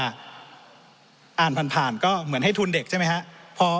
อ่านผ่านก็เหมือนให้ทุนเด็กใช่ไหมครับ